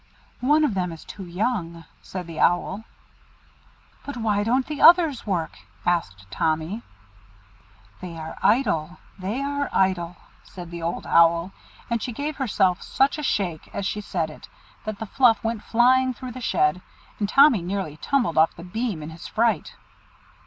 "One of them is too young," said the Owl. "But why don't the others work?" asked Tommy. "They are idle, they are idle," said the Old Owl, and she gave herself such a shake as she said it, that the fluff went flying through the shed, and Tommy nearly tumbled off the beam in his fright.